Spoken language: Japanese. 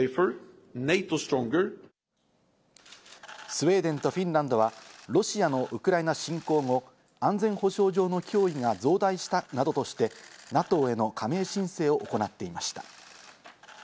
スウェーデンとフィンランドは、ロシアのウクライナ侵攻後、安全保障上の脅威が増大したなどとして、ＮＡＴＯへの加盟申請を行っていました。